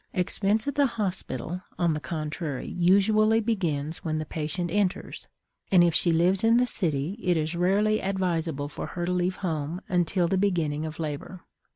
Expense at the hospital, on the contrary, usually begins when the patient enters; and if she lives in the city it is rarely advisable for her to leave home until the beginning of labor.